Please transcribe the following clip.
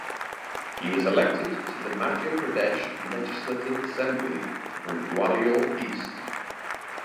He was elected to the Madhya Pradesh Legislative Assembly from Gwalior East.